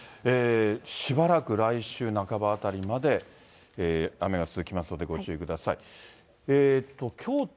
しばらく来週半ばあたりまで、雨が続きますので、ご注意ください。